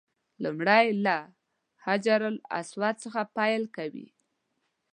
لومړی له حجر اسود څخه پیل کوي.